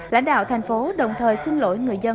lãnh đạo thành phố đồng thời xin lỗi người dân